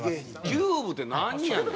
キューブってなんやねん？